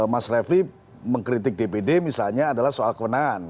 mas refli mengkritik dpd misalnya adalah soal kewenangan